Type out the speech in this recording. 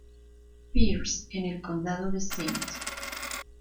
Pierce, en el Condado de St.